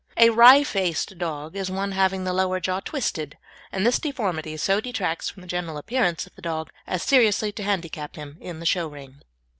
A "wry faced" dog is one having the lower jaw twisted, and this deformity so detracts from the general appearance of the dog as seriously to handicap him in the show ring.